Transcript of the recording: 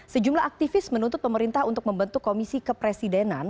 sejumlah aktivis menuntut pemerintah untuk membentuk komisi kepresidenan